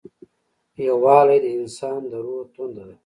یووالی د انسان د روح تنده ده.